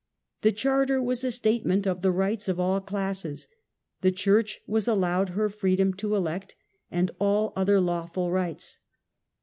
The charter was a statement of the rights of all classes. The church was allowed her freedom to elect, and all Magna Other lawful rights.